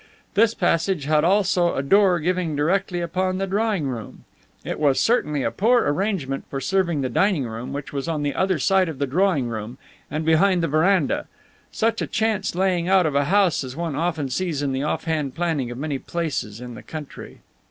This passage had also a door giving directly upon the drawing room. It was certainly a poor arrangement for serving the dining room, which was on the other side of the drawing room and behind the veranda, such a chance laying out of a house as one often sees in the off hand planning of many places in the country.